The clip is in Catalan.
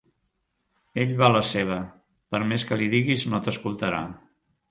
Ell va a la seva: per més que li diguis, no t'escoltarà.